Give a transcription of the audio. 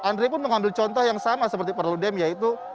andre pun mengambil contoh yang sama seperti perludem yaitu